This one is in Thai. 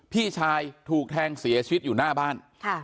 พี่ชายถูกแทงเสียชีวิตอยู่หน้าบ้าน